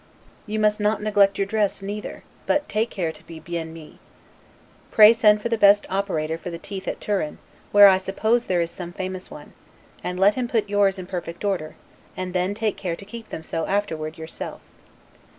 You must not neglect your dress neither, but take care to be 'bien mis'. Pray send for the best operator for the teeth at Turin, where I suppose there is some famous one; and let him put yours in perfect order; and then take care to keep them so, afterward, yourself.